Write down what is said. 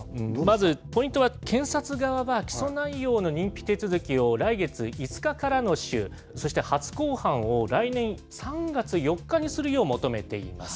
まず、ポイントは検察側は起訴内容の認否手続きを来月５日からの週、そして初公判を来年３月４日にするよう求めています。